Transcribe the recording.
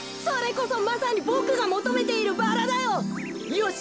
よし！